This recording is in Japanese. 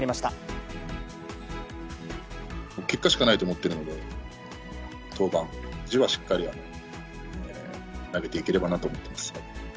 結果しかないと思ってるので、登板時はしっかり、投げていければなと思っています。